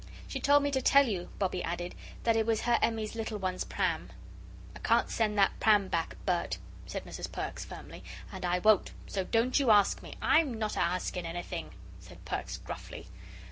She told me to tell you," Bobbie added, "that it was her Emmie's little one's pram." "I can't send that pram back, Bert," said Mrs Perks, firmly, "and I won't. So don't you ask me " "I'm not a asking anything," said Perks, gruffly.